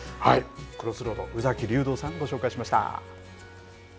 Ｃｒｏｓｓｒｏａｄ宇崎竜童さん、ご紹介しました。